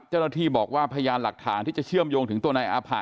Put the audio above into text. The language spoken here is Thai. เจ้าหน้าที่บอกว่าพยานหลักฐานที่จะเชื่อมโยงถึงตัวนายอาผะ